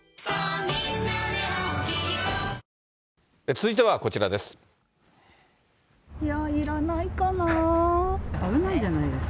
続いてはこちらです。